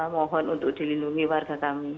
mohon untuk dilindungi warga kami